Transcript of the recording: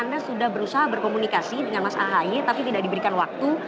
anda sudah berusaha berkomunikasi dengan mas ahy tapi tidak diberikan waktu